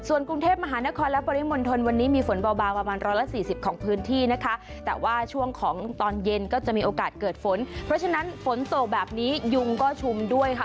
วันนี้มีฝนบาวประมาณละ๔๐ของพื้นที่นะคะแต่ว่าช่วงของตอนเย็นก็จะมีโอกาสเกิดฝนเพราะฉะนั้นฝนโตแบบนี้ยุ่งก็ชุมด้วยค่ะ